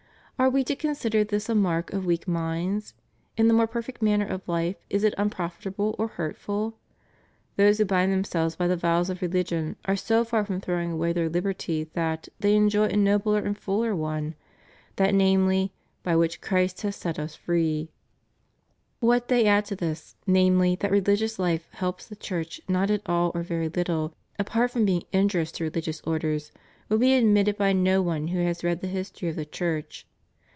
Are we to consider this a mark of weak minds? In the more perfect manner of hfe is it unprofitable or hurtful? Those who bind themselves by the vows of reUgion are so far from throwing away their Uberty that they enjoy a nobler and fuller one — that, namely, by whichChrist has set ils jree} What they add to this — namely, that religious life helps the Church not at all or very httle — apart from being inju rious to religious orders, will be admitted by no one who has read the history of the Church.